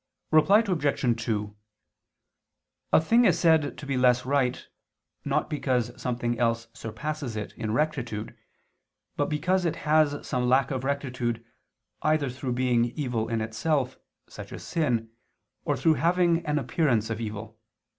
Reply Obj. 2: A thing is said to be less right, not because something else surpasses it in rectitude, but because it has some lack of rectitude, either through being evil in itself, such as sin, or through having an appearance of evil.